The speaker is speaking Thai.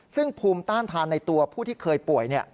ซึ่งภูมิต้านทานในตัวผู้ที่เคยป่วย